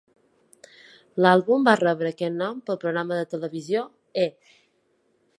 L'àlbum va rebre aquest nom pel programa de televisió E!